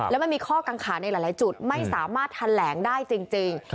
แล้วมันมีข้อกังขาในหลายจุดไม่สามารถแถลงได้จริง